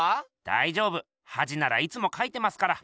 だいじょうぶはじならいつもかいてますから。